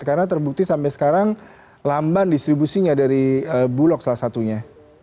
karena terbukti sampai sekarang lamban distribusinya dari bulog salah satunya